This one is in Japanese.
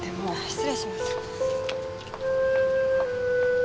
失礼します。